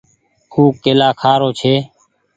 او ڪيلآ ڪآ کآ رو ڇي ۔